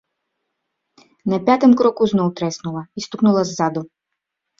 На пятым кроку зноў трэснула і стукнула ззаду.